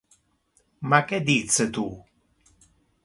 Ma que dice tu?